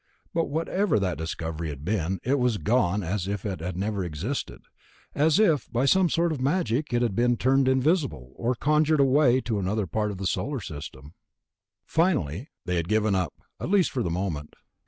But whatever that discovery had been, it was gone as if it had never existed ... as if by some sort of magic it had been turned invisible, or conjured away to another part of the Solar System. Finally, they had given up, at least for the moment.